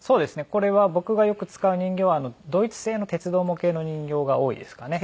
これは僕がよく使う人形はドイツ製の鉄道模型の人形が多いですかね。